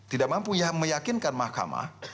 tidak mampu meyakinkan mahkamah